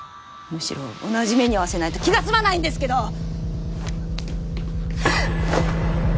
むしろ同じ目に遭わせないと気が済まないんですけど！